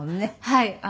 はい。